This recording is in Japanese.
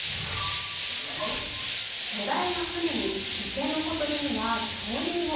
巨大な船に、池のほとりには恐竜も。